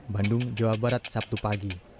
bandung jawa barat sabtu pagi